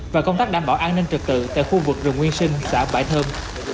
và công tác đảm bảo an ninh trực tự tại khu vực rừng nguyên sinh xã bãi thơm